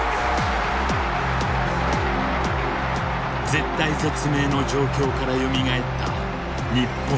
絶体絶命の状況からよみがえった日本。